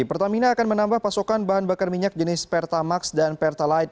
pertamina akan menambah pasokan bahan bakar minyak jenis pertamax dan pertalite